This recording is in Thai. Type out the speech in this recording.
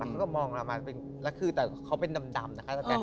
แล้วเขาก็มองมาแล้วคือแต่เขาเป็นดำนะคะ